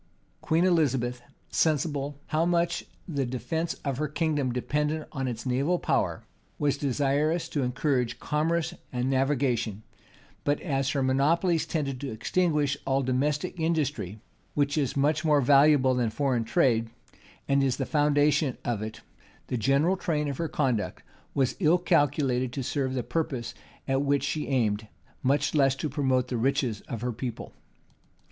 Queen Elizabeth, sensible how much the defence of her kingdom depended on its naval power, was desirous to encourage commerce and navigation: but as her monopolies tended to extinguish all domestic industry, which is much more valuable than foreign trade, and is the foundation of it, the general train of her conduct was ill calculated to serve the purpose at which she aimed, much less to promote the riches of her people.